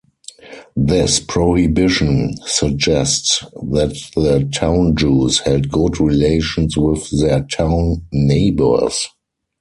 This prohibition suggests that the town Jews held good relations with their town neighbours.